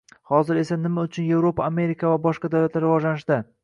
Hozir esa nima uchun Yevropa Amerika va boshqa davlatlar rivojlanishda?